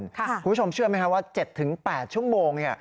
คุณผู้ชมเชื่อไหมครับว่า๗๘ชั่วโมง